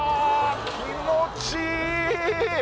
気持ちいい！